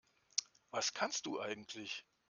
Was kannst du eigentlich?